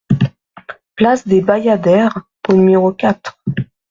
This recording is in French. Place des Bayadères au numéro quatre